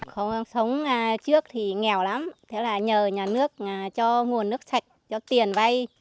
không sống trước thì nghèo lắm thế là nhờ nhà nước cho nguồn nước sạch cho tiền vay